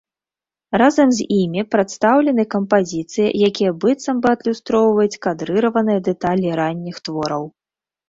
Разам з імі прадстаўлены кампазіцыі, якія быццам бы адлюстроўваюць кадрыраваныя дэталі ранніх твораў.